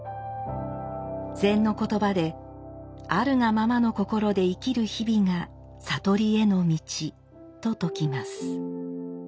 禅の言葉で「あるがままの心で生きる日々が悟りへの道」と説きます。